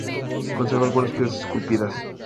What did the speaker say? Conserva algunas piedras esculpidas.